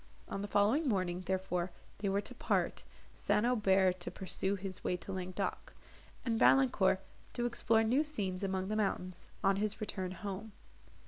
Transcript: On the following morning, therefore, they were to part, St. Aubert to pursue his way to Languedoc, and Valancourt to explore new scenes among the mountains, on his return home.